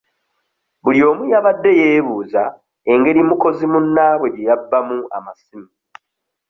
Buli omu yabadde yeebuuza engeri mukozi munnaabwe gye yabbamu amasimu.